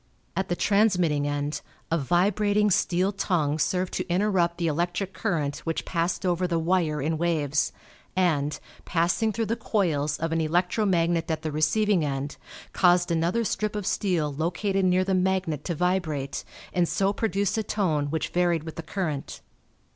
At the transmitting end a vibrating steel tongue served to interrupt the electric current which passed over the wire in waves, and, passing through the coils of an electro magnet at the receiving end, caused another strip of steel located near the magnet to vibrate and so produce a tone which varied with the current.